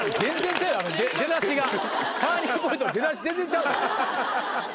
ターニングポイントの出だし全然ちゃうやん